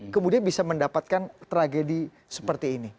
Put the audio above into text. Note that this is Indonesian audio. kemudian bisa mendapatkan tragedi seperti ini